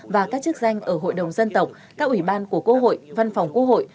và các chức danh ở hội đồng dân tộc các ủy ban của quốc hội văn phòng quốc hội